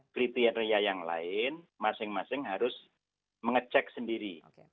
kriteria yang lain masing masing harus mengecek sendiri